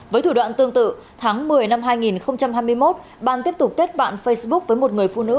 với thủ đoạn tương tự tháng một mươi năm hai nghìn hai mươi một ban tiếp tục kết bạn facebook với một người phụ nữ